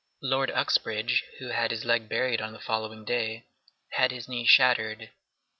Lord Uxbridge, who had his leg buried on the following day, had his knee shattered.